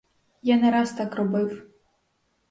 Я не раз так робив.